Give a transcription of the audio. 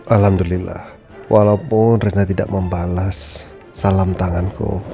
alhamdulillah walaupun rena tidak membalas salam tanganku